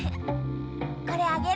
これあげる。